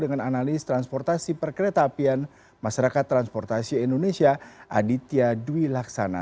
dengan analis transportasi perkereta apian masyarakat transportasi indonesia aditya dwi laksana